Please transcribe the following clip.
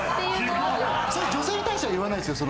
それ女性に対しては言わないですよ。